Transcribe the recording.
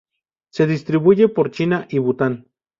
Se distribuye por China y Bután.